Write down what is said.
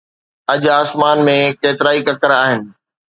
اڄ آسمان ۾ ڪيترائي ڪڪر آهن.